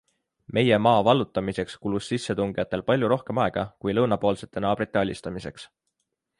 Meie maa vallutamiseks kulus sissetungijatel palju rohkem aega kui lõunapoolsete naabrite alistamiseks.